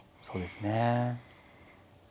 そうですね。